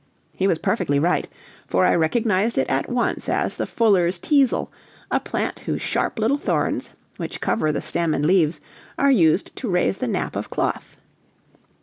He was perfectly right, for I recognized it at once as the "fuller's teazle," a plant whose sharp little thorns, which cover the stem and leaves, are used to raise the nap of cloth.